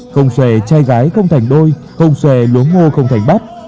không xòe trai gái không thành đôi không xòe luống ngô không thành bắt